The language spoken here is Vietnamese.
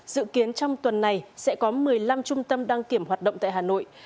dự kiến trong tuần này sẽ có một mươi năm trung tâm đăng kiểm hoạt động tại hà nội